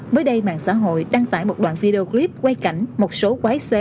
mới đây mạng xã hội đăng tải một đoạn video clip quay cảnh một số quá xế